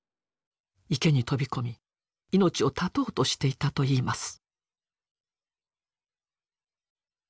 池に飛び込み命を絶とうとしていたといいます。